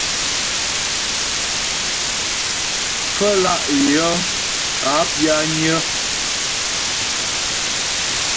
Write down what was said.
Pfə́lá' yə̀ a pyányə́.